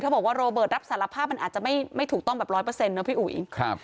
บอกว่าโรเบิร์ตรับสารภาพมันอาจจะไม่ถูกต้องแบบร้อยเปอร์เซ็นนะพี่อุ๋ยครับ